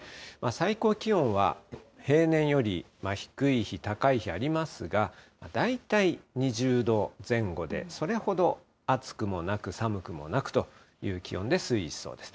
最高気温は平年より低い日、高い日ありますが、大体２０度前後で、それほど暑くもなく寒くもなくという気温で推移しそうです。